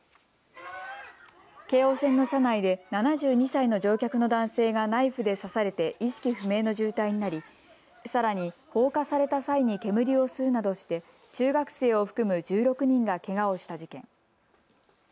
京王線の車内で７２歳の乗客の男性がナイフで刺されて意識不明の重体になりさらに放火された際に煙を吸うなどして中学生を含む１６人がけがをした事件。